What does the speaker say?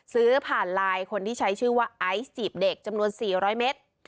ซื้อผ่านไลน์คนที่ใช้ชื่อว่าไอซ์จีบเด็กจำนวน๔๐๐เมตร